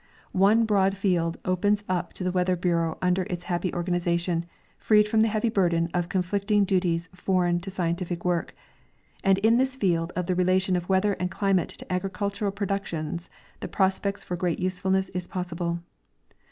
One broad field opens up to the Weather bureau under its happy organization, freed from the heavy burden of conflicting duties foreign to scientific work, and in this field of the relation of weather and climate to agricultural productions the prospects for great usefulness is possible.